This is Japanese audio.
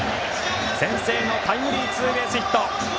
先制のタイムリーツーベースヒット。